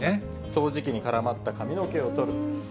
掃除機に絡まった髪の毛を取る。